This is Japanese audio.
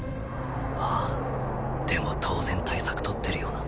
ああでも当然対策取ってるよな